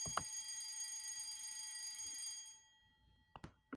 Está enterrada en el cementerio de Santa María en Lambeth, Londres.